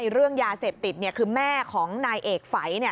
เรื่องยาเสพติดคือแม่ของนายเอกฝัย